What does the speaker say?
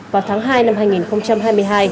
vào tháng hai năm hai nghìn hai mươi hai